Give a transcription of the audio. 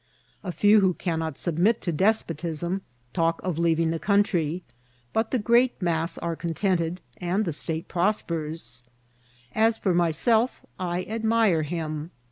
A few who cannot submit to despotism talk of leaving the country; but the great mass are contented, and the state prospers* As for myself, I admire him.